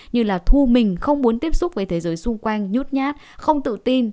như là thu mình không muốn tiếp xúc với thế giới xung quanh nhút nhát không tự tin